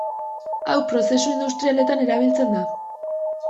Hau prozesu industrialetan erabiltzen da.